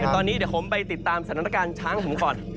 ตอนนี้เดี๋ยวผมไปติดตามสถานการณ์ช้างผมก่อน